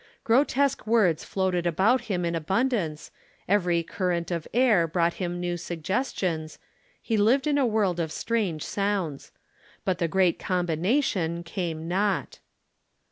Grotesque words floated about him in abundance, every current of air brought him new suggestions, he lived in a world of strange sounds. But the great combination came not.